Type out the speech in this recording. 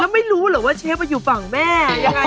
แล้วไม่รู้หรือว่าเชฟอยู่ฝั่งแม่